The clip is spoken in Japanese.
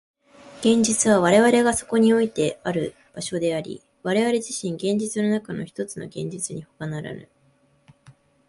現実は我々がそこにおいてある場所であり、我々自身、現実の中のひとつの現実にほかならぬ。